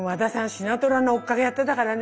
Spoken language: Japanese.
シナトラの追っかけやってたからね。